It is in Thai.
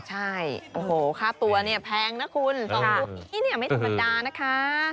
ใช่โอ้โหค่าตัวเนี่ยแพงนะคุณ๒ขี้เนี่ยไม่ธรรมดานะคะ